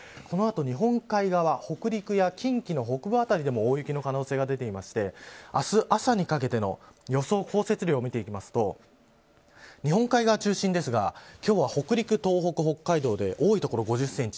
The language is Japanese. この後、日本海側、北陸や近畿の北部辺りでも大雪の可能性が出ていまして明日朝にかけての予想降雪量、見ていきますと日本海側、中心ですが今日は北陸、東北、北海道で多い所で５０センチ